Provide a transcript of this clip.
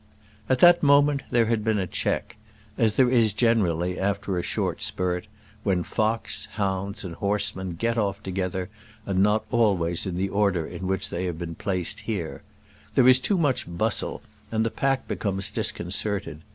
At that moment there had been a check, as there is generally after a short spurt, when fox, hounds, and horsemen get off together, and not always in the order in which they have been placed here. There is too much bustle, and the pack becomes disconcerted.